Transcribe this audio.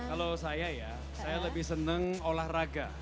kalau saya ya saya lebih senang olahraga